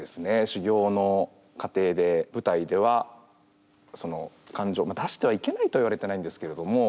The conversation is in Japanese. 修行の過程で舞台ではその感情まあ出してはいけないとは言われてないんですけれども。